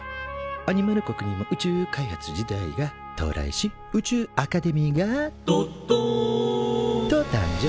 アニマル国にも宇宙開発時代が到来し宇宙アカデミーが「どっどん」と誕生。